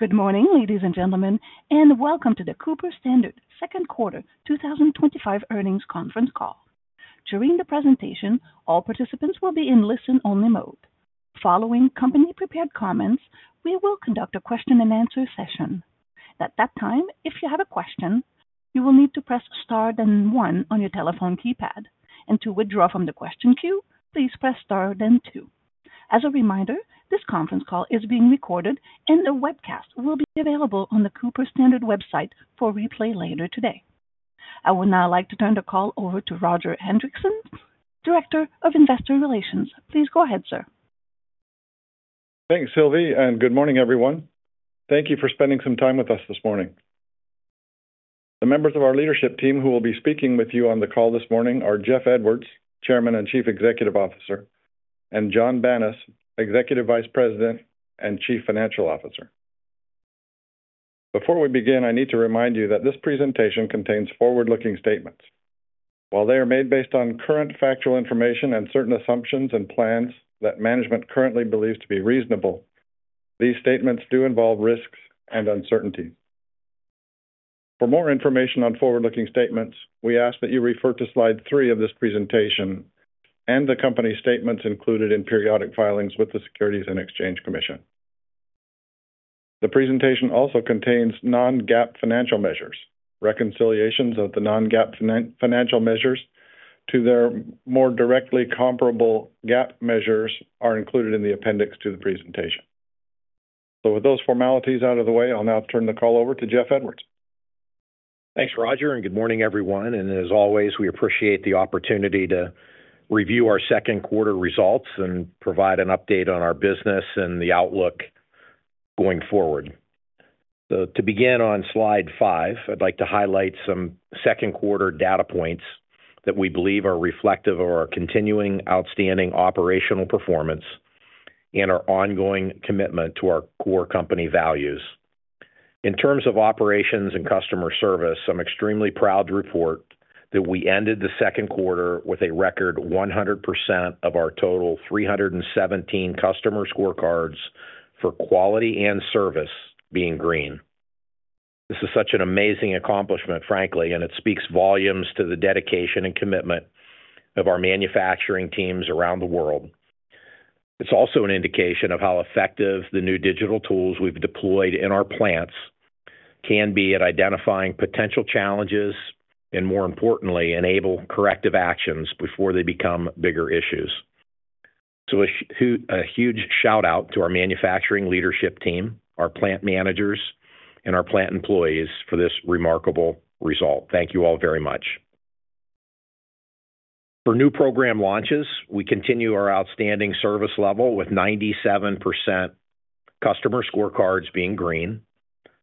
Good morning, ladies and gentlemen, and welcome to the Cooper Standard Second Quarter 2025 Earnings Conference Call. To read the presentation, all participants will be in listen-only mode. Following company-prepared comments, we will conduct a question-and-answer session. At that time, if you have a question, you will need to press star one on your telephone keypad. To withdraw from the question queue, please press star two. As a reminder, this conference call is being recorded, and the webcast will be available on the Cooper Standard website for replay later today. I would now like to turn the call over to Roger Hendriksen, Director of Investor Relations. Please go ahead, sir. Thanks, Sylvie, and good morning, everyone. Thank you for spending some time with us this morning. The members of our leadership team who will be speaking with you on the call this morning are Jeff Edwards, Chairman and Chief Executive Officer, and Jon Banas, Executive Vice President and Chief Financial Officer. Before we begin, I need to remind you that this presentation contains forward-looking statements. While they are made based on current factual information and certain assumptions and plans that management currently believes to be reasonable, these statements do involve risks and uncertainty. For more information on forward-looking statements, we ask that you refer to slide three of this presentation and the company statements included in periodic filings with the Securities and Exchange Commission. The presentation also contains non-GAAP financial measures. Reconciliations of the non-GAAP financial measures to their more directly comparable GAAP measures are included in the appendix to the presentation. With those formalities out of the way, I'll now turn the call over to Jeff Edwards. Thanks, Roger, and good morning, everyone. As always, we appreciate the opportunity to review our second quarter results and provide an update on our business and the outlook going forward. To begin on slide five, I'd like to highlight some second quarter data points that we believe are reflective of our continuing outstanding operational performance and our ongoing commitment to our core company values. In terms of operations and customer service, I'm extremely proud to report that we ended the second quarter with a record 100% of our total 317 customer scorecards for quality and service being green. This is such an amazing accomplishment, frankly, and it speaks volumes to the dedication and commitment of our manufacturing teams around the world. It's also an indication of how effective the new digital tools we've deployed in our plants can be at identifying potential challenges and, more importantly, enable corrective actions before they become bigger issues. A huge shout-out to our manufacturing leadership team, our plant managers, and our plant employees for this remarkable result. Thank you all very much. For new program launches, we continue our outstanding service level with 97% customer scorecards being green,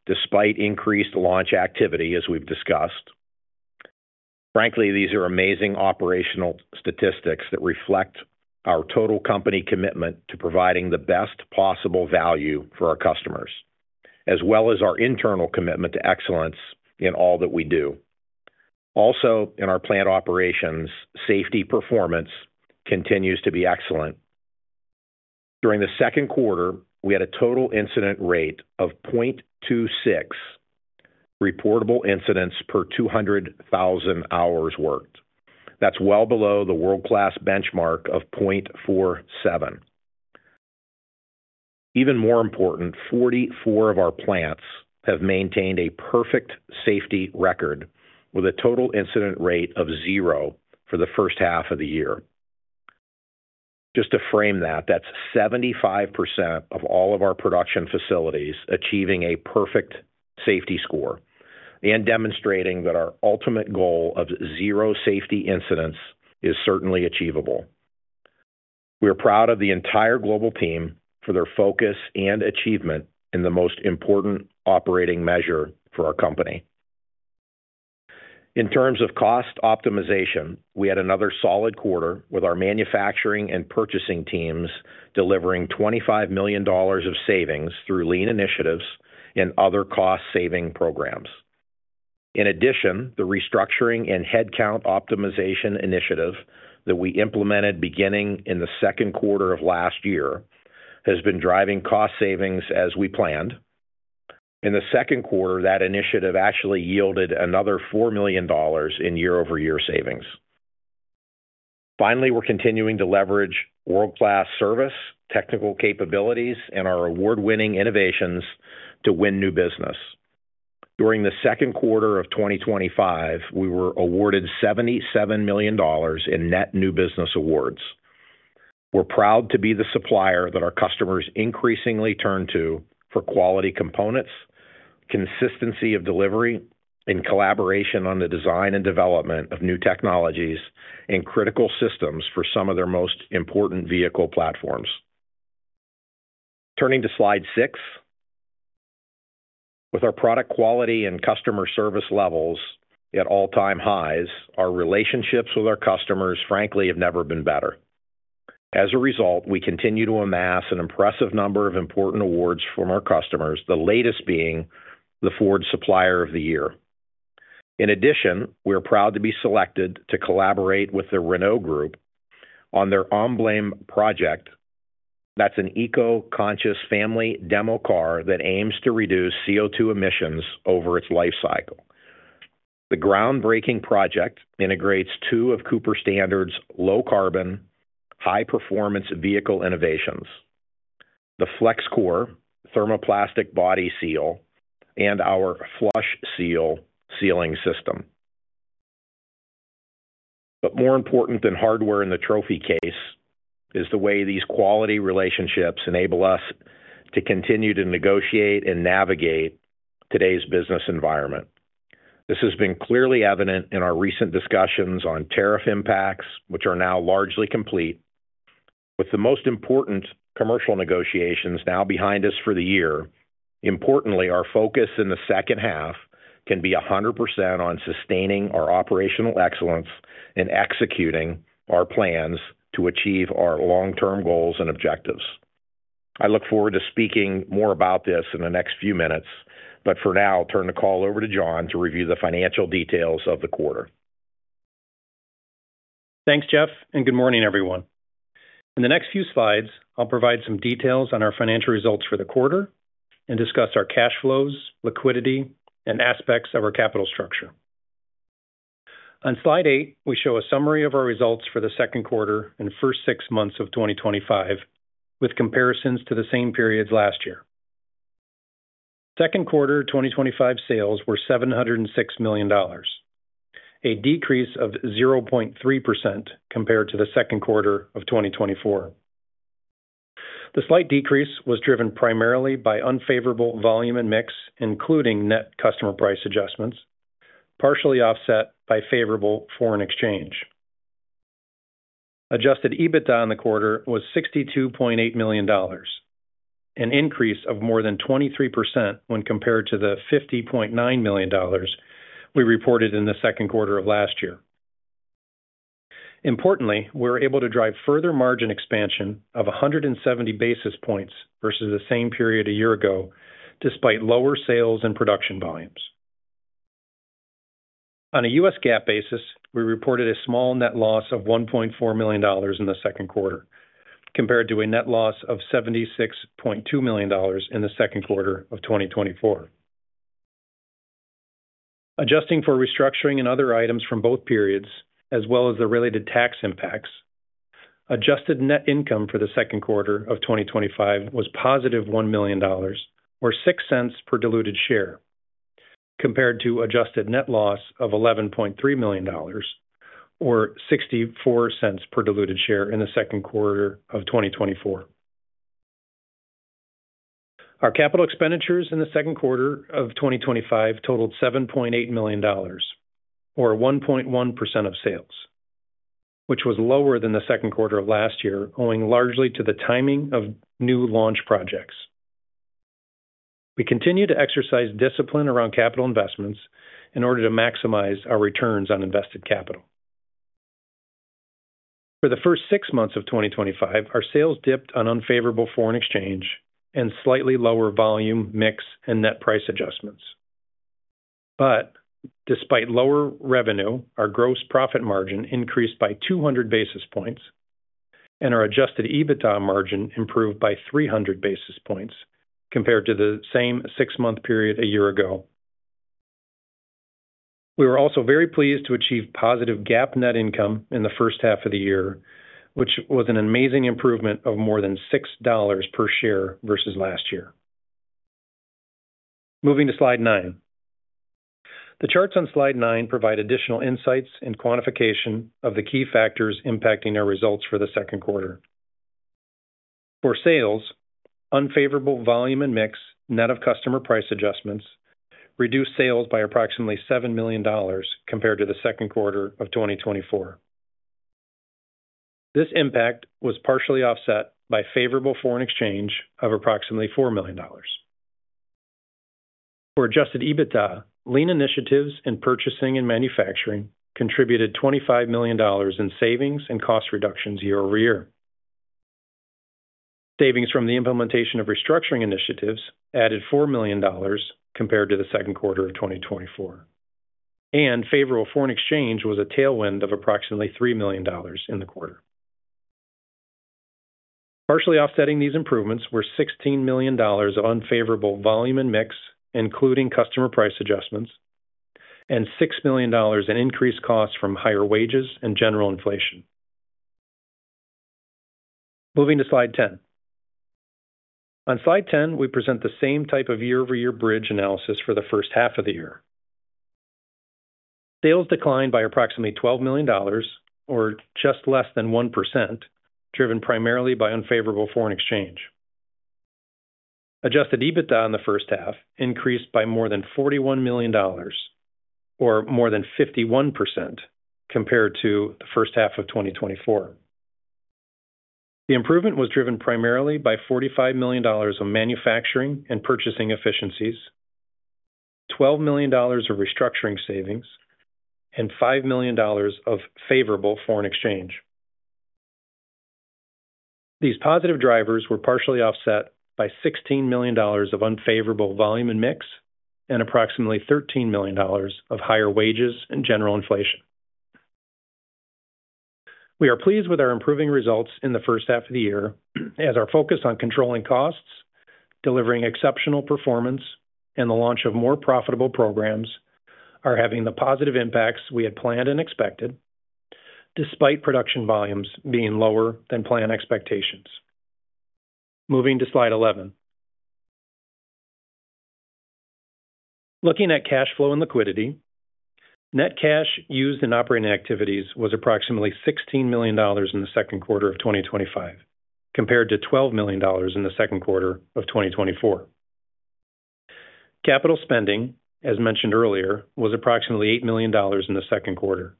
despite increased launch activity, as we've discussed. Frankly, these are amazing operational statistics that reflect our total company commitment to providing the best possible value for our customers, as well as our internal commitment to excellence in all that we do. Also, in our plant operations, safety performance continues to be excellent. During the second quarter, we had a total incident rate of 0.26 reportable incidents per 200,000 hours worked. That's well below the world-class benchmark of 0.47. Even more important, 44 of our plants have maintained a perfect safety record with a total incident rate of zero for the first half of the year. Just to frame that, that's 75% of all of our production facilities achieving a perfect safety score and demonstrating that our ultimate goal of zero safety incidents is certainly achievable. We are proud of the entire global team for their focus and achievement in the most important operating measure for our company. In terms of cost optimization, we had another solid quarter with our manufacturing and purchasing teams delivering $25 million of savings through lean initiatives and other cost-saving programs. In addition, the restructuring and headcount optimization initiative that we implemented beginning in the second quarter of last year has been driving cost savings as we planned. In the second quarter, that initiative actually yielded another $4 million in year-over-year savings. Finally, we're continuing to leverage world-class service, technical capabilities, and our award-winning innovations to win new business. During the second quarter of 2025, we were awarded $77 million in net new business awards. We're proud to be the supplier that our customers increasingly turn to for quality components, consistency of delivery, and collaboration on the design and development of new technologies and critical systems for some of their most important vehicle platforms. Turning to slide six, with our product quality and customer service levels at all-time highs, our relationships with our customers, frankly, have never been better. As a result, we continue to amass an impressive number of important awards from our customers, the latest being the Ford Supplier of the Year. In addition, we are proud to be selected to collaborate with the Renault Group on their EmBlem project. That's an eco-conscious family demo car that aims to reduce CO2 emissions over its lifecycle. The groundbreaking project integrates two of Cooper Standard's low-carbon, high-performance vehicle innovations: the FlexiCore thermoplastic body seal and our Flush Seal sealing system. More important than hardware in the trophy case is the way these quality relationships enable us to continue to negotiate and navigate today's business environment. This has been clearly evident in our recent discussions on tariff impacts, which are now largely complete, with the most important commercial negotiations now behind us for the year. Importantly, our focus in the second half can be 100% on sustaining our operational excellence and executing our plans to achieve our long-term goals and objectives. I look forward to speaking more about this in the next few minutes, but for now, I'll turn the call over to Jon to review the financial details of the quarter. Thanks, Jeff, and good morning, everyone. In the next few slides, I'll provide some details on our financial results for the quarter and discuss our cash flows, liquidity, and aspects of our capital structure. On slide eight, we show a summary of our results for the second quarter and first six months of 2025, with comparisons to the same periods last year. Second quarter 2025 sales were $706 million, a decrease of 0.3% compared to the second quarter of 2024. The slight decrease was driven primarily by unfavorable volume and mix, including net customer price adjustments, partially offset by favorable foreign exchange. Adjusted EBITDA in the quarter was $62.8 million, an increase of more than 23% when compared to the $50.9 million we reported in the second quarter of last year. Importantly, we were able to drive further margin expansion of 170 basis points versus the same period a year ago, despite lower sales and production volumes. On a U.S. GAAP basis, we reported a small net loss of $1.4 million in the second quarter, compared to a net loss of $76.2 million in the second quarter of 2024. Adjusting for restructuring and other items from both periods, as well as the related tax impacts, adjusted net income for the second quarter of 2025 was positive $1 million, or $0.06 per diluted share, compared to adjusted net loss of $11.3 million, or $0.64 per diluted share in the second quarter of 2024. Our capital expenditures in the second quarter of 2025 totaled $7.8 million, or 1.1% of sales, which was lower than the second quarter of last year, owing largely to the timing of new launch projects. We continue to exercise discipline around capital investments in order to maximize our returns on invested capital. For the first six months of 2025, our sales dipped on unfavorable foreign exchange and slightly lower volume mix and net price adjustments. Despite lower revenue, our gross profit margin increased by 200 basis points, and our Adjusted EBITDA margin improved by 300 basis points compared to the same six-month period a year ago. We were also very pleased to achieve positive GAAP net income in the first half of the year, which was an amazing improvement of more than $6 per share versus last year. Moving to slide nine, the charts on slide nine provide additional insights and quantification of the key factors impacting our results for the second quarter. For sales, unfavorable volume and mix net of customer price adjustments reduced sales by approximately $7 million compared to the second quarter of 2024. This impact was partially offset by favorable foreign exchange of approximately $4 million. For Adjusted EBITDA, lean initiatives in purchasing and manufacturing contributed $25 million in savings and cost reductions year over year. Savings from the implementation of restructuring initiatives added $4 million compared to the second quarter of 2024, and favorable foreign exchange was a tailwind of approximately $3 million in the quarter. Partially offsetting these improvements were $16 million of unfavorable volume and mix, including customer price adjustments, and $6 million in increased costs from higher wages and general inflation. Moving to slide 10. On slide 10, we present the same type of year-over-year bridge analysis for the first half of the year. Sales declined by approximately $12 million, or just less than 1%, driven primarily by unfavorable foreign exchange. Adjusted EBITDA in the first half increased by more than $41 million, or more than 51% compared to the first half of 2024. The improvement was driven primarily by $45 million of manufacturing and purchasing efficiencies, $12 million of restructuring savings, and $5 million of favorable foreign exchange. These positive drivers were partially offset by $16 million of unfavorable volume and mix and approximately $13 million of higher wages and general inflation. We are pleased with our improving results in the first half of the year, as our focus on controlling costs, delivering exceptional performance, and the launch of more profitable programs are having the positive impacts we had planned and expected, despite production volumes being lower than planned expectations. Moving to slide 11. Looking at cash flow and liquidity, net cash used in operating activities was approximately $16 million in the second quarter of 2025, compared to $12 million in the second quarter of 2024. Capital spending, as mentioned earlier, was approximately $8 million in the second quarter,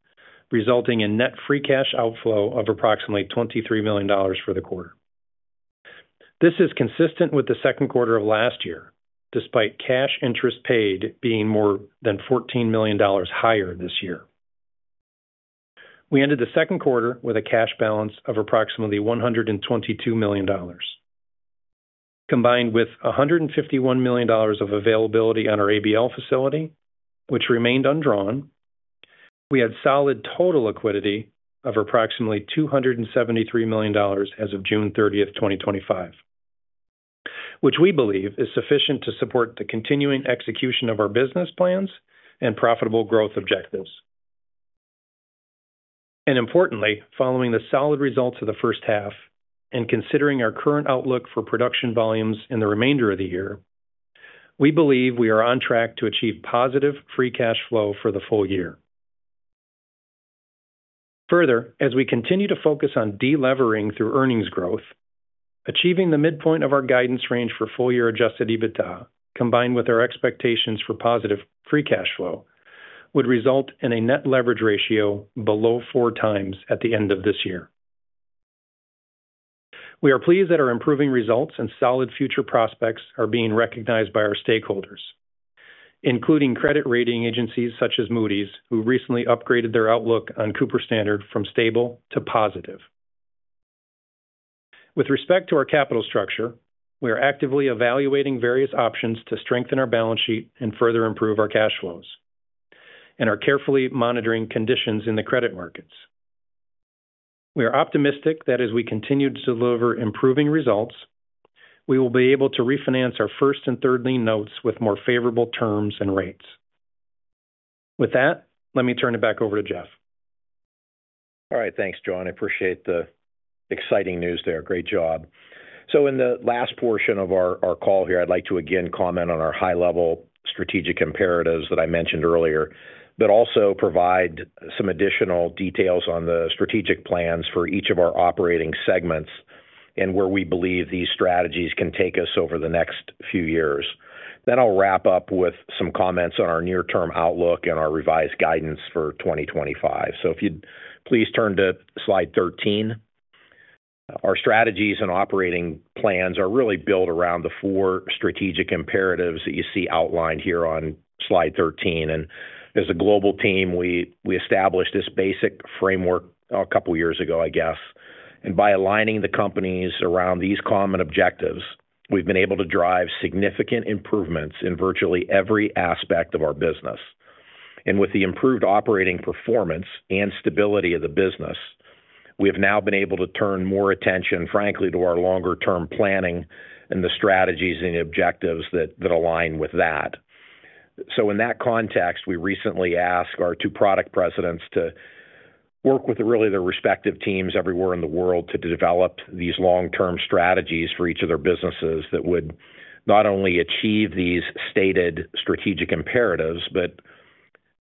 resulting in net free cash outflow of approximately $23 million for the quarter. This is consistent with the second quarter of last year, despite cash interest paid being more than $14 million higher this year. We ended the second quarter with a cash balance of approximately $122 million. Combined with $151 million of availability at our ABL facility, which remained undrawn, we had solid total liquidity of approximately $273 million as of June 30, 2025, which we believe is sufficient to support the continuing execution of our business plans and profitable growth objectives. Importantly, following the solid results of the first half and considering our current outlook for production volumes in the remainder of the year, we believe we are on track to achieve positive free cash flow for the full year. Further, as we continue to focus on deleveraging through earnings growth, achieving the midpoint of our guidance range for full-year Adjusted EBITDA, combined with our expectations for positive free cash flow, would result in a net leverage ratio below four times at the end of this year. We are pleased that our improving results and solid future prospects are being recognized by our stakeholders, including credit rating agencies such as Moody’s, who recently upgraded their outlook on Cooper Standard from stable to positive. With respect to our capital structure, we are actively evaluating various options to strengthen our balance sheet and further improve our cash flows, and are carefully monitoring conditions in the credit markets. We are optimistic that as we continue to deliver improving results, we will be able to refinance our first and third lien notes with more favorable terms and rates. With that, let me turn it back over to Jeff. All right, thanks, Jon. I appreciate the exciting news there. Great job. In the last portion of our call here, I'd like to again comment on our high-level strategic imperatives that I mentioned earlier, but also provide some additional details on the strategic plans for each of our operating segments and where we believe these strategies can take us over the next few years. I'll wrap up with some comments on our near-term outlook and our revised guidance for 2025. If you'd please turn to slide 13. Our strategies and operating plans are really built around the four strategic imperatives that you see outlined here on slide 13. As a global team, we established this basic framework a couple of years ago, I guess. By aligning the companies around these common objectives, we've been able to drive significant improvements in virtually every aspect of our business. With the improved operating performance and stability of the business, we have now been able to turn more attention, frankly, to our longer-term planning and the strategies and the objectives that align with that. In that context, we recently asked our two product presidents to work with their respective teams everywhere in the world to develop these long-term strategies for each of their businesses that would not only achieve these stated strategic imperatives, but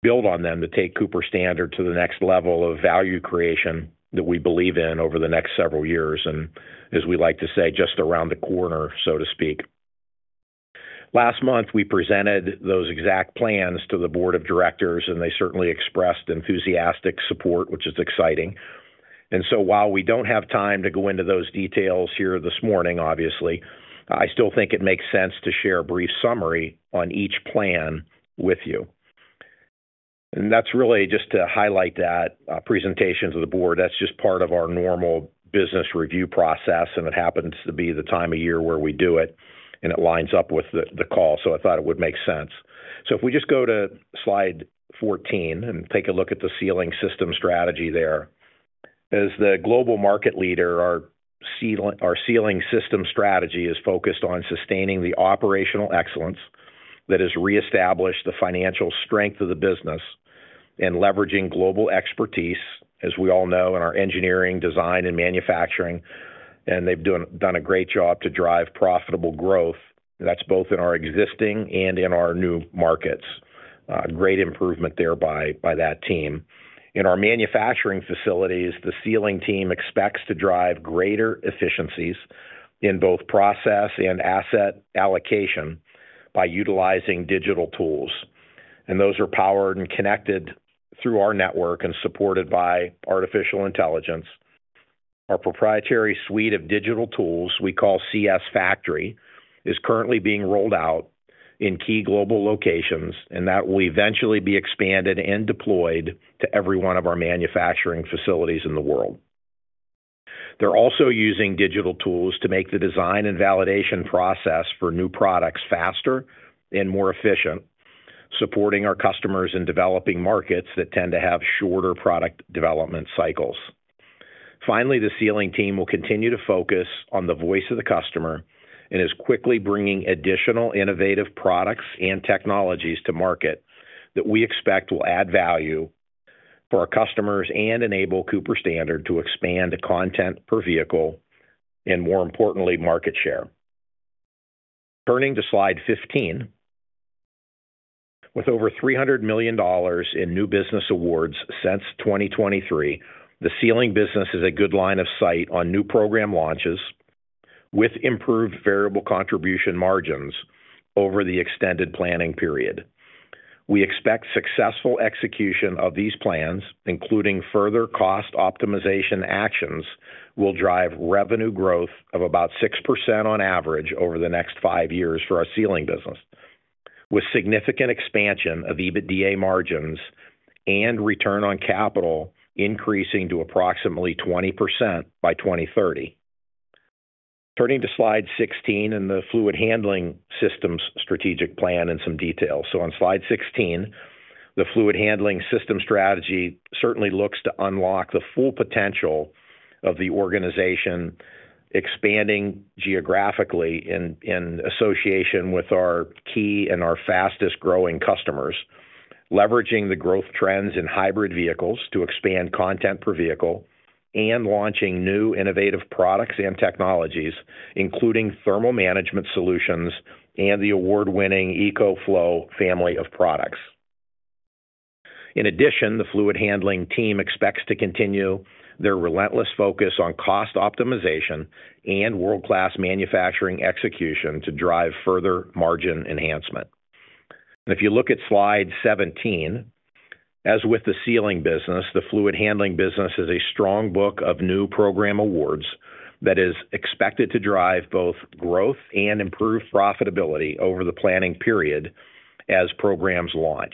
build on them to take Cooper Standard to the next level of value creation that we believe in over the next several years. As we like to say, just around the corner, so to speak. Last month, we presented those exact plans to the board of directors, and they certainly expressed enthusiastic support, which is exciting. While we don't have time to go into those details here this morning, obviously, I still think it makes sense to share a brief summary on each plan with you. That's really just to highlight that presentation to the board. That's just part of our normal business review process, and it happens to be the time of year where we do it, and it lines up with the call. I thought it would make sense. If we just go to slide 14 and take a look at the sealing systems strategy there. As the global market leader, our sealing systems strategy is focused on sustaining the operational excellence that has reestablished the financial strength of the business and leveraging global expertise, as we all know, in our engineering, design, and manufacturing. They've done a great job to drive profitable growth. That's both in our existing and in our new markets. Great improvement there by that team. In our manufacturing facilities, the sealing team expects to drive greater efficiencies in both process and asset allocation by utilizing digital tools. Those are powered and connected through our network and supported by artificial intelligence. Our proprietary suite of digital tools we call CS Factorysis currently being rolled out in key global locations, and that will eventually be expanded and deployed to every one of our manufacturing facilities in the world. They're also using digital tools to make the design and validation process for new products faster and more efficient, supporting our customers in developing markets that tend to have shorter product development cycles. Finally, the sealing team will continue to focus on the voice of the customer and is quickly bringing additional innovative products and technologies to market that we expect will add value for our customers and enable Cooper Standard to expand content per vehicle and, more importantly, market share. Turning to slide 15, with over $300 million in new business awards since 2023, the sealing business has a good line of sight on new program launches with improved variable contribution margins over the extended planning period. We expect successful execution of these plans, including further cost optimization actions, will drive revenue growth of about 6% on average over the next five years for our sealing business, with significant expansion of EBITDA margins and return on capital increasing to approximately 20% by 2030. Turning to slide 16 and the Fluid Handling systems strategic plan in some detail. On slide 16, the fluid handling system strategy certainly looks to unlock the full potential of the organization, expanding geographically in association with our key and our fastest growing customers, leveraging the growth trends in hybrid vehicles to expand content per vehicle, and launching new innovative products and technologies, including thermal management solutions and the award-winning EcoFlow family of products. In addition, the fluid handling team expects to continue their relentless focus on cost optimization and world-class manufacturing execution to drive further margin enhancement. If you look at slide 17, as with the sealing systems business, the fluid handling business has a strong book of new program awards that is expected to drive both growth and improve profitability over the planning period as programs launch.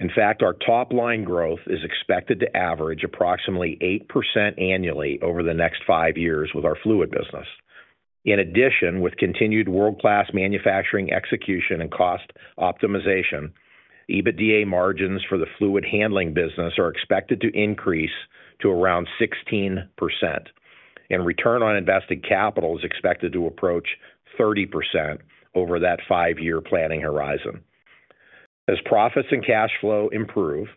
In fact, our top line growth is expected to average approximately 8% annually over the next five years with our fluid handling business. In addition, with continued world-class manufacturing execution and cost optimization, EBITDA margins for the fluid handling business are expected to increase to around 16%, and return on invested capital is expected to approach 30% over that five-year planning horizon. As profits and cash flow improve,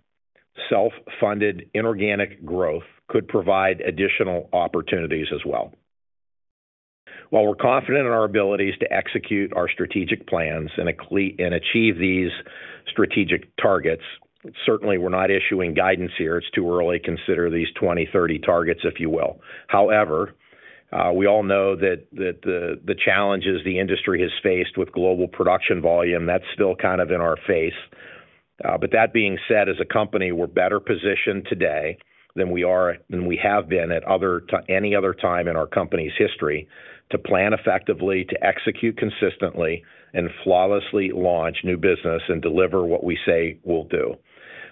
self-funded inorganic growth could provide additional opportunities as well. While we're confident in our abilities to execute our strategic plans and achieve these strategic targets, certainly we're not issuing guidance here. It's too early to consider these 2030 targets, if you will. However, we all know that the challenges the industry has faced with global production volume, that's still kind of in our face. That being said, as a company, we're better positioned today than we have been at any other time in our company's history to plan effectively, to execute consistently, and flawlessly launch new business and deliver what we say we'll do.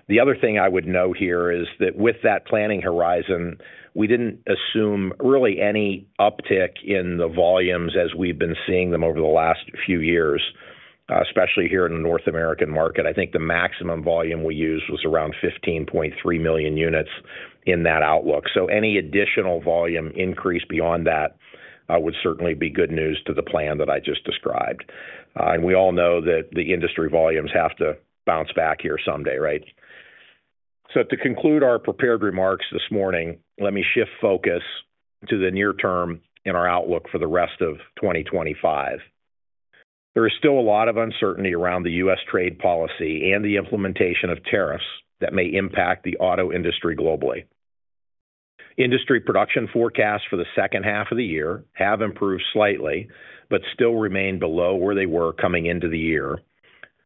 The other thing I would note here is that with that planning horizon, we didn't assume really any uptick in the volumes as we've been seeing them over the last few years, especially here in the North American market. I think the maximum volume we used was around 15.3 million units in that outlook. Any additional volume increase beyond that would certainly be good news to the plan that I just described. We all know that the industry volumes have to bounce back here someday, right? To conclude our prepared remarks this morning, let me shift focus to the near term in our outlook for the rest of 2025. There is still a lot of uncertainty around U.S. trade policy and the implementation of tariffs that may impact the auto industry globally. Industry production forecasts for the second half of the year have improved slightly, but still remain below where they were coming into the year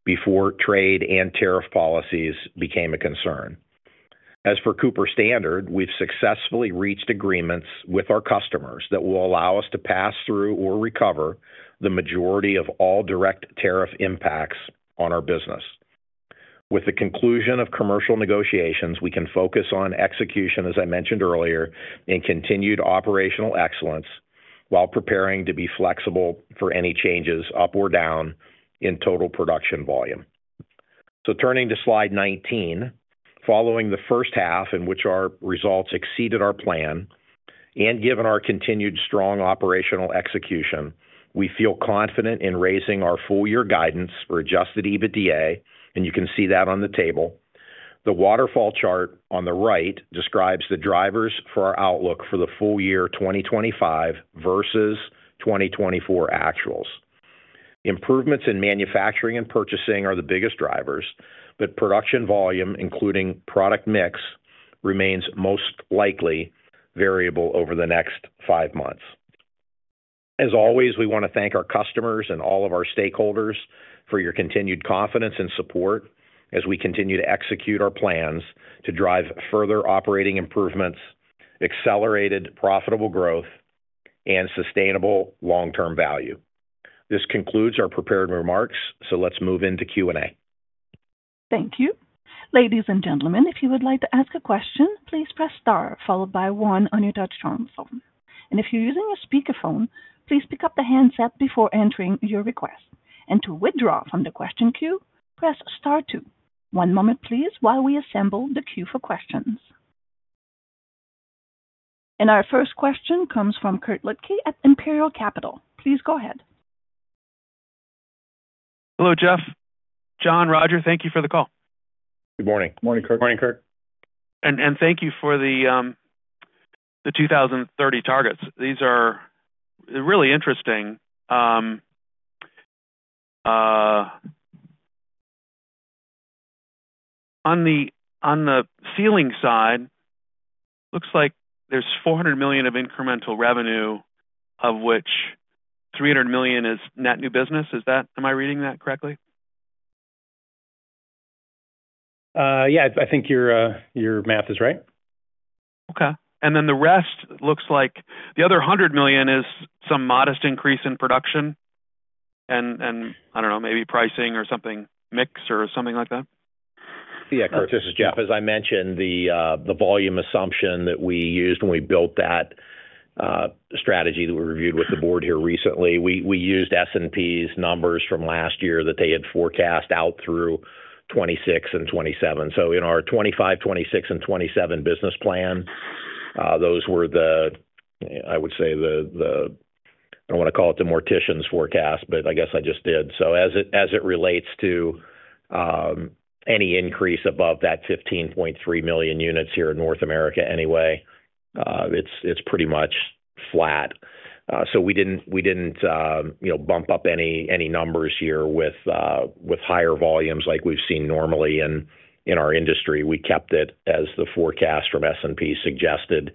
before trade and tariff policies became a concern. As for Cooper Standard Holdings Inc., we've successfully reached agreements with our customers that will allow us to pass through or recover the majority of all direct tariff impacts on our business. With the conclusion of commercial negotiations, we can focus on execution, as I mentioned earlier, and continued operational excellence while preparing to be flexible for any changes up or down in total production volume. Turning to slide 19, following the first half in which our results exceeded our plan, and given our continued strong operational execution, we feel confident in raising our full-year guidance for Adjusted EBITDA, and you can see that on the table. The waterfall chart on the right describes the drivers for our outlook for the full year 2025 versus 2024 actuals. Improvements in manufacturing and purchasing are the biggest drivers, but production volume, including product mix, remains most likely variable over the next five months. As always, we want to thank our customers and all of our stakeholders for your continued confidence and support as we continue to execute our plans to drive further operating improvements, accelerated profitable growth, and sustainable long-term value. This concludes our prepared remarks, so let's move into Q&A. Thank you. Ladies and gentlemen, if you would like to ask a question, please press star one on your touch-tone phone. If you're using a speakerphone, please pick up the handset before entering your request. To withdraw from the question queue, press star two. One moment, please, while we assemble the queue for questions. Our first question comes from Kirk Ludtke at Imperial Capital. Please go ahead. Hello, Jeff, Jon, Roger, thank you for the call. Good morning. Morning, Kirk. Morning, Kirk. Thank you for the 2030 targets. These are really interesting. On the sealing side, it looks like there's $400 million of incremental revenue, of which $300 million is net new business. Am I reading that correctly? Yeah, I think your math is right. Okay. The rest looks like the other $100 million is some modest increase in production. I don't know, maybe pricing or something mix or something like that? Yeah, Kirk, this is Jeff. As I mentioned, the volume assumption that we used when we built that strategy that we reviewed with the board here recently, we used S&P's numbers from last year that they had forecast out through 2026 and 2027. In our 2025, 2026, and 2027 business plan, those were the, I would say, I don't want to call it the mortician's forecast, but I guess I just did. As it relates to any increase above that 15.3 million units here in North America anyway, it's pretty much flat. We didn't bump up any numbers here with higher volumes like we've seen normally in our industry. We kept it as the forecast from S&P suggested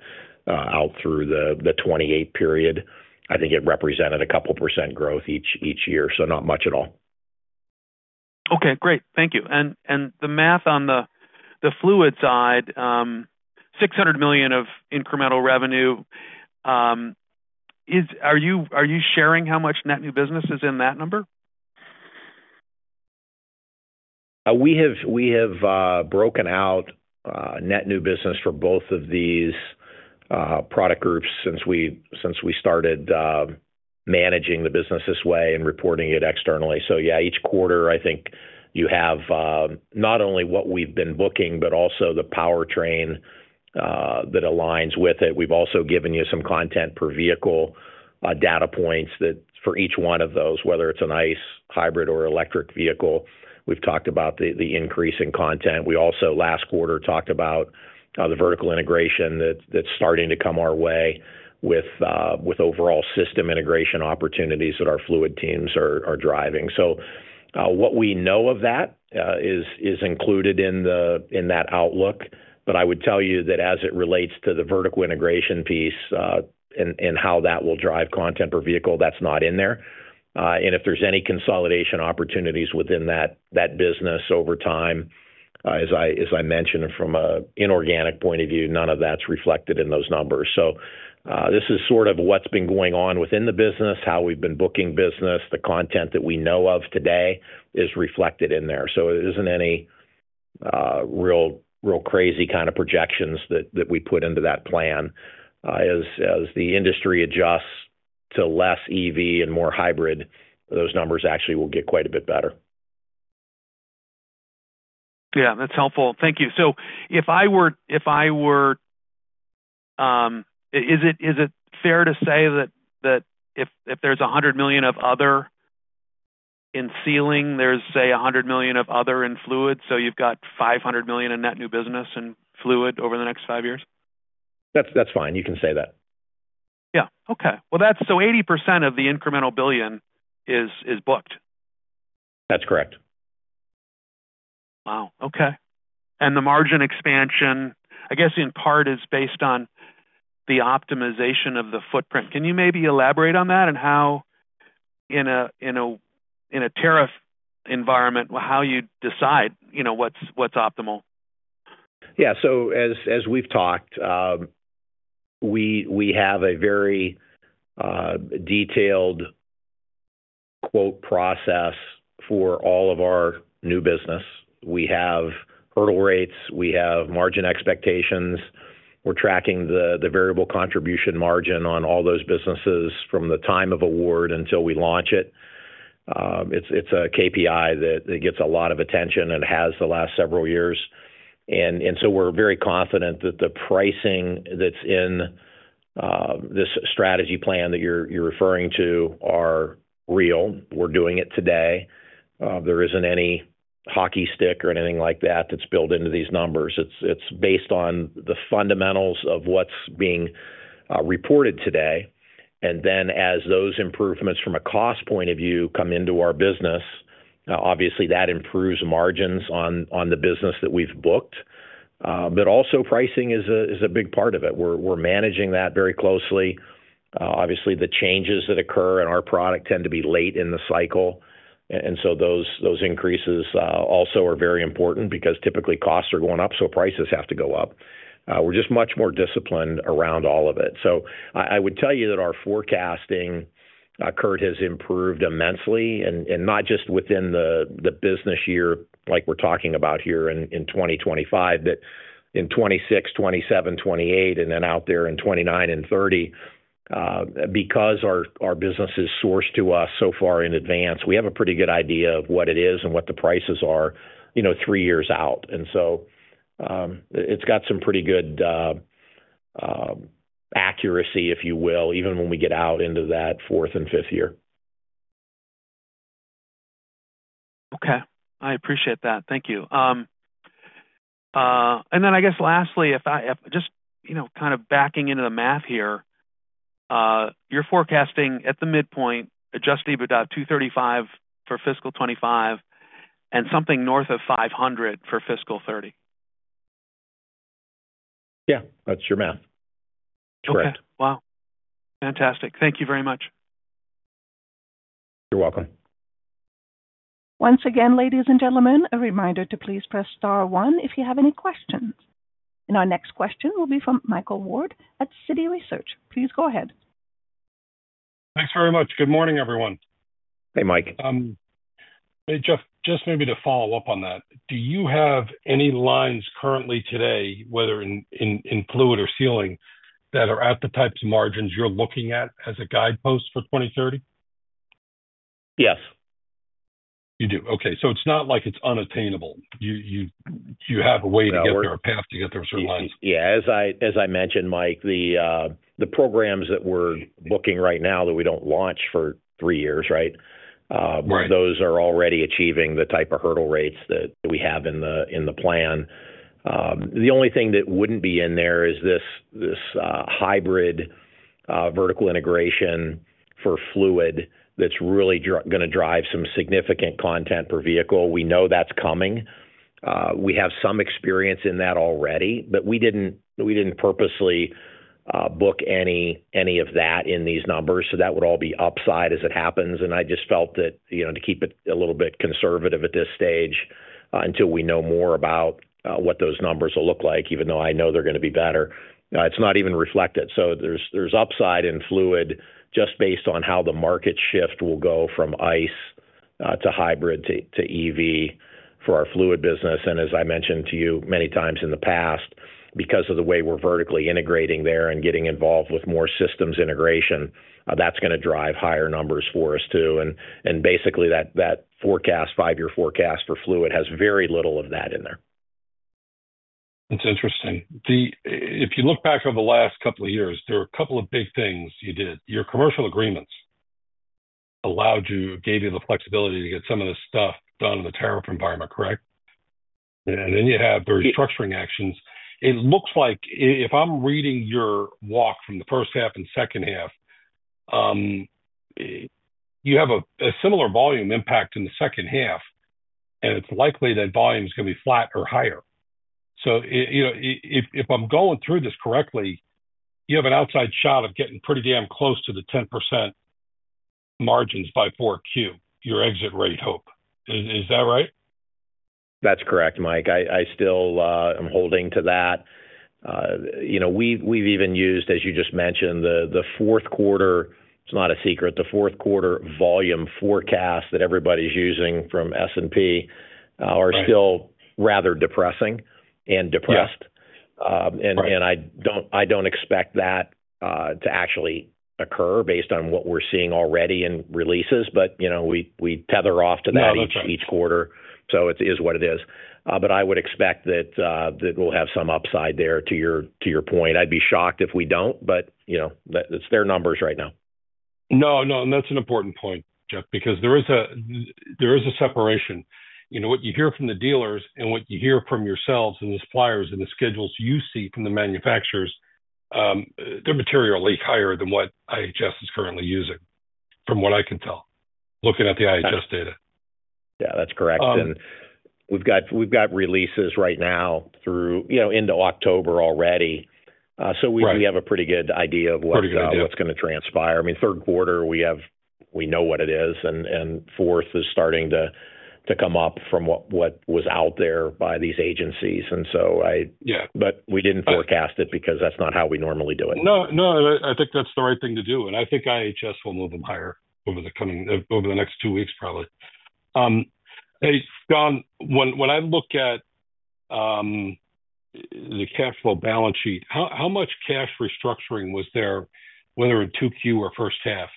out through the 2028 period. I think it represented a couple % growth each year, so not much at all. Okay, great. Thank you. The math on the fluid handling side, $600 million of incremental revenue, are you sharing how much net new business is in that number? We have broken out net new business for both of these product groups since we started managing the business this way and reporting it externally. Each quarter, I think you have not only what we've been booking, but also the powertrain that aligns with it. We've also given you some content per vehicle data points for each one of those, whether it's an ICE, hybrid, or electric vehicle, we've talked about the increase in content. Last quarter, we talked about the vertical integration that's starting to come our way with overall system integration opportunities that our fluid handling teams are driving. What we know of that is included in that outlook, but I would tell you that as it relates to the vertical integration piece and how that will drive content per vehicle, that's not in there. If there's any consolidation opportunities within that business over time, as I mentioned from an inorganic point of view, none of that's reflected in those numbers. This is sort of what's been going on within the business, how we've been booking business, the content that we know of today is reflected in there. It isn't any real crazy kind of projections that we put into that plan. As the industry adjusts to less EV and more hybrid, those numbers actually will get quite a bit better. Yeah, that's helpful. Thank you. If I were, is it fair to say that if there's $100 million of other in sealing systems, there's, say, $100 million of other in fluid handling, so you've got $500 million in net new business in fluid handling over the next five years? That's fine. You can say that. Okay, that's 80% of the incremental $1 billion is booked. That's correct. Okay. The margin expansion, I guess in part, is based on the optimization of the footprint. Can you maybe elaborate on that and how, in a tariff environment, how you decide what's optimal? Yeah, as we've talked, we have a very detailed quote process for all of our new business. We have hurdle rates, we have margin expectations, we're tracking the variable contribution margin on all those businesses from the time of award until we launch it. It's a KPI that gets a lot of attention and has the last several years. We're very confident that the pricing that's in this strategy plan that you're referring to are real. We're doing it today. There isn't any hockey stick or anything like that that's built into these numbers. It's based on the fundamentals of what's being reported today. As those improvements from a cost point of view come into our business, obviously that improves margins on the business that we've booked. Also, pricing is a big part of it. We're managing that very closely. Obviously, the changes that occur in our product tend to be late in the cycle. Those increases also are very important because typically costs are going up, so prices have to go up. We're just much more disciplined around all of it. I would tell you that our forecasting, Kirk, has improved immensely, and not just within the business year like we're talking about here in 2025, but in 2026, 2027, 2028, and then out there in 2029 and 2030. Because our business is sourced to us so far in advance, we have a pretty good idea of what it is and what the prices are three years out. It's got some pretty good accuracy, if you will, even when we get out into that fourth and fifth year. Okay, I appreciate that. Thank you. Lastly, if I just kind of backing into the math here, you're forecasting at the midpoint, Adjusted EBITDA of $235 million for fiscal 2025 and something north of $500 million for fiscal 2030. Yeah, that's your math. Okay, fantastic. Thank you very much. You're welcome. Once again, ladies and gentlemen, a reminder to please press star one if you have any questions. Our next question will be from Michael Ward at Citi Research. Please go ahead. Thanks very much. Good morning, everyone. Hey, Mike. Hey, Jeff. Just maybe to follow up on that, do you have any lines currently today, whether in fluid handling or Sealing Systems, that are at the types of margins you're looking at as a guidepost for 2030? Yes. Okay. It's not like it's unattainable. You have a way to get there. Yeah, as I mentioned, Mike, the programs that we're looking at right now that we don't launch for three years, right? Right. Those are already achieving the type of hurdle rates that we have in the plan. The only thing that wouldn't be in there is this hybrid vertical integration for fluid handling that's really going to drive some significant content per vehicle. We know that's coming. We have some experience in that already, but we didn't purposely book any of that in these numbers. That would all be upside as it happens. I just felt that, you know, to keep it a little bit conservative at this stage until we know more about what those numbers will look like, even though I know they're going to be better, it's not even reflected. There's upside in fluid handling just based on how the market shift will go from ICE to hybrid to EV for our fluid business. As I mentioned to you many times in the past, because of the way we're vertically integrating there and getting involved with more systems integration, that's going to drive higher numbers for us too. Basically, that five-year forecast for fluid handling has very little of that in there. That's interesting. If you look back over the last couple of years, there are a couple of big things you did. Your commercial agreements allowed you, gave you the flexibility to get some of this stuff done in the tariff environment, correct? Yeah. You have the restructuring actions. It looks like if I'm reading your walk from the first half and second half, you have a similar volume impact in the second half, and it's likely that volume is going to be flat or higher. If I'm going through this correctly, you have an outside shot of getting pretty damn close to the 10% margins by 4Q, your exit rate, hope. Is that right? That's correct, Mike. I still am holding to that. We've even used, as you just mentioned, the fourth quarter. It's not a secret, the fourth quarter volume forecasts that everybody's using from S&P are still rather depressing and depressed. I don't expect that to actually occur based on what we're seeing already in releases, but we tether off to that each quarter. It is what it is. I would expect that we'll have some upside there, to your point. I'd be shocked if we don't, but it's their numbers right now. No, that's an important point, Jeff, because there is a separation. You know, what you hear from the dealers and what you hear from yourselves and the suppliers and the schedules you see from the manufacturers, they're materially higher than what IHS is currently using, from what I can tell, looking at the IHS data. Yeah, that's correct. We've got releases right now through, you know, into October already. We have a pretty good idea of what's going to transpire. I mean, third quarter, we know what it is, and fourth is starting to come up from what was out there by these agencies. We didn't forecast it because that's not how we normally do it. I think that's the right thing to do. I think IHS will move them higher over the coming, over the next two weeks, probably. Hey, Jon, when I look at the cash flow balance sheet, how much cash restructuring was there whether in 2Q or first half?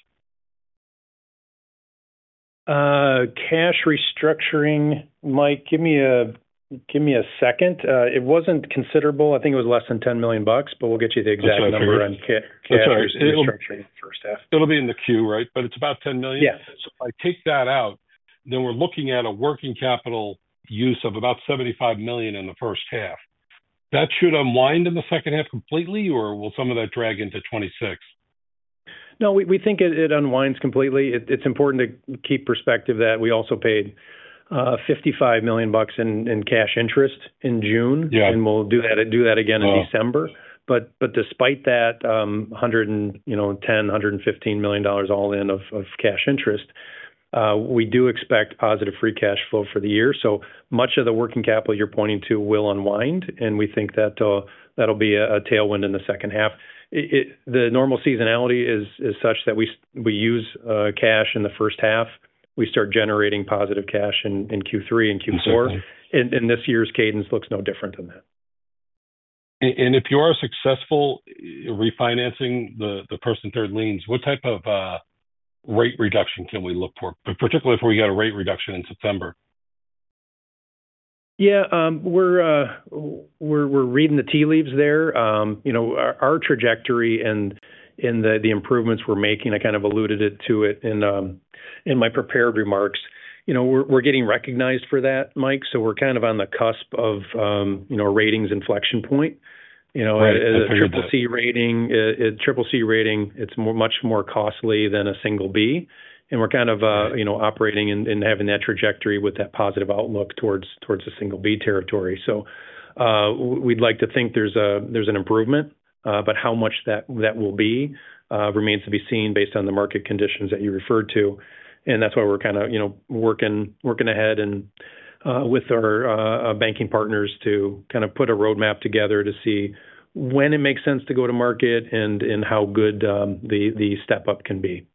Cash restructuring, Mike, give me a second. It wasn't considerable. I think it was less than $10 million, but we'll get you the exact number. That's right. It'll be in the Q, right? It's about $10 million. If I take that out, then we're looking at a working capital use of about $75 million in the first half. That should unwind in the second half completely, or will some of that drag into 2026? No, we think it unwinds completely. It's important to keep perspective that we also paid $55 million in cash interest in June, and we'll do that again in December. Despite that, $110 million, $115 million all in of cash interest, we do expect positive free cash flow for the year. Much of the working capital you're pointing to will unwind, and we think that'll be a tailwind in the second half. The normal seasonality is such that we use cash in the first half. We start generating positive cash in Q3 and Q4, and this year's cadence looks no different than that. If you are successful refinancing the first and third liens, what type of rate reduction can we look for, particularly if we get a rate reduction in September? Yeah, we're reading the tea leaves there. You know, our trajectory and the improvements we're making, I kind of alluded to it in my prepared remarks. We're getting recognized for that, Mike. We're kind of on the cusp of a ratings inflection point. As a triple C rating, it's much more costly than a single B. We're operating and having that trajectory with that positive outlook towards the single B territory. We'd like to think there's an improvement, but how much that will be remains to be seen based on the market conditions that you referred to. That's why we're working ahead and with our banking partners to put a roadmap together to see when it makes sense to go to market and how good the step-up can be.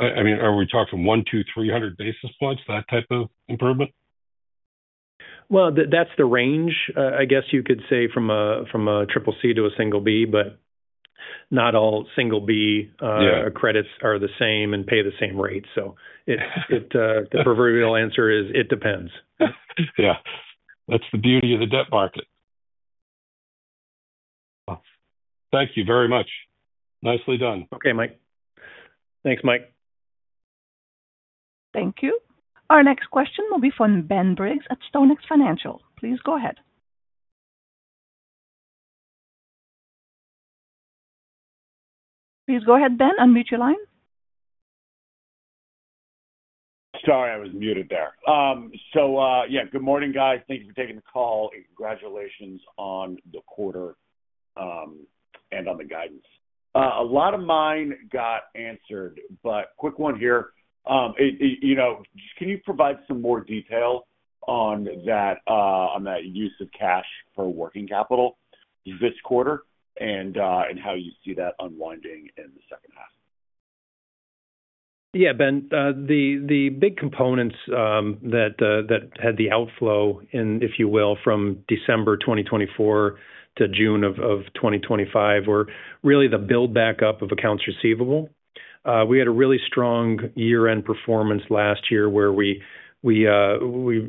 Are we talking 100, 200, 300 basis points, that type of improvement? That's the range, I guess you could say, from a triple C to a single B, but not all single B credits are the same and pay the same rate. The proverbial answer is it depends. Yeah, that's the beauty of the debt market. Thank you very much. Nicely done. Okay, Mike. Thanks, Mike. Thank you. Our next question will be from Ben Briggs at StoneX Financial Inc. Please go ahead. Please go ahead, Ben, unmute your line. Thank you for taking the call. Congratulations on the quarter and on the guidance. A lot of mine got answered, but quick one here. Can you provide some more detail on that use of cash for working capital this quarter and how you see that unwinding in the second half? Yeah, Ben, the big components that had the outflow, if you will, from December 2024 to June of 2025 were really the build back up of accounts receivable. We had a really strong year-end performance last year where we were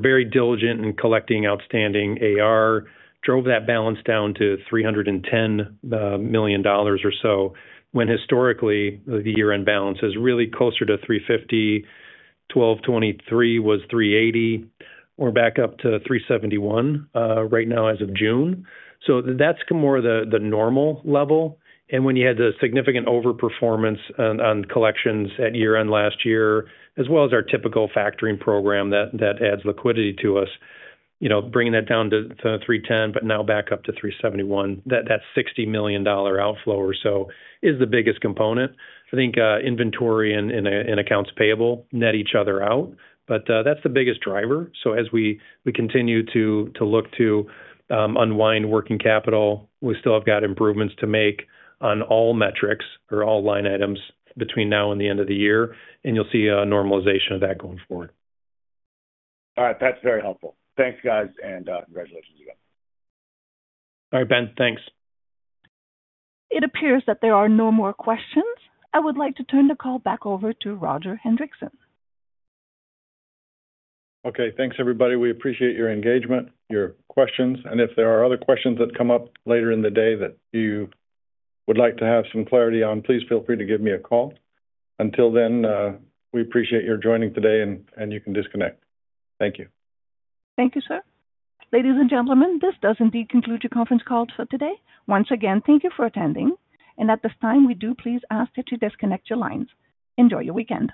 very diligent in collecting outstanding AR, drove that balance down to $310 million or so, when historically the year-end balance is really closer to $350 million. December 2023 was $380 million. We're back up to $371 million right now as of June. That's more the normal level. When you had the significant overperformance on collections at year-end last year, as well as our typical factoring program that adds liquidity to us, bringing that down to $310 million, but now back up to $371 million, that $60 million outflow or so is the biggest component. I think inventory and accounts payable net each other out, but that's the biggest driver. As we continue to look to unwind working capital, we still have got improvements to make on all metrics or all line items between now and the end of the year, and you'll see a normalization of that going forward. All right, that's very helpful. Thanks, guys, and congratulations again. All right, Ben, thanks. It appears that there are no more questions. I would like to turn the call back over to Roger Hendriksen. Okay, thanks, everybody. We appreciate your engagement, your questions, and if there are other questions that come up later in the day that you would like to have some clarity on, please feel free to give me a call. Until then, we appreciate your joining today, and you can disconnect. Thank you. Thank you, sir. Ladies and gentlemen, this does indeed conclude your conference call for today. Once again, thank you for attending, and at this time, we do please ask that you disconnect your lines. Enjoy your weekend.